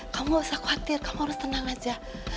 kamu gak usah khawatir kamu harus tenang aja